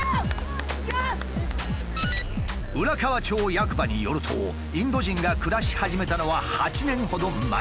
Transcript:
浦河町役場によるとインド人が暮らし始めたのは８年ほど前。